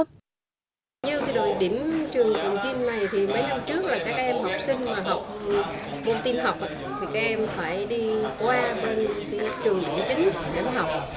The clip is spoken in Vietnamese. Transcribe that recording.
điểm trường cần chính này thì mấy năm trước là các em học sinh mà học môn tin học thì các em phải đi qua trường điện chính để học